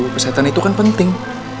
pesetan itu kan penting